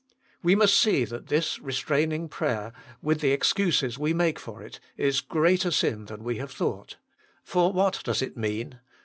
We must see that this restrain ing prayer, with the excuses we make for it, is greater sin than we have thought ; for what does it mean